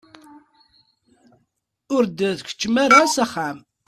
Ur d-tkeččmem ara s axxam?